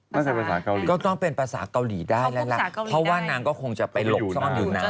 ภาษาเกาหลีก็ต้องเป็นภาษาเกาหลีได้แล้วล่ะเพราะว่านางก็คงจะไปหลบซ่อนอยู่นาน